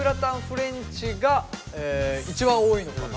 フレンチが一番多いのかな。